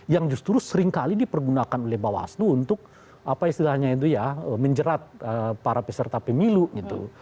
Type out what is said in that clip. yang justru seringkali dipergunakan oleh bawaslu untuk apa istilahnya itu ya menjerat para peserta pemilu gitu